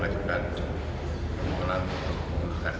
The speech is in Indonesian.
demikian terima kasih